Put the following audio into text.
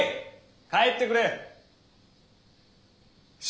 帰ってくれ。